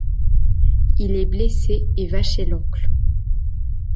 Il est blessé et va chez l'oncle.